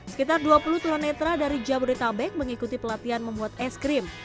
sekitar dua puluh tunanetra dari jabodetabek mengikuti pelatihan membuat es krim